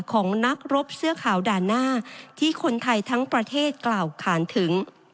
ของนักรบเสื้อขาวด่านหน้าที่คนไทยทั้งประเทศกล่าวขานถึง